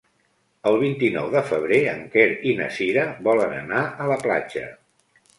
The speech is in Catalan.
El vint-i-nou de febrer en Quer i na Cira volen anar a la platja.